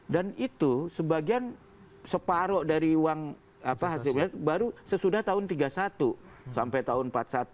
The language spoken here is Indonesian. dan itu sebagian separoh dari uang apa hasilnya baru sesudah tahun tiga puluh satu sampai tahun empat puluh satu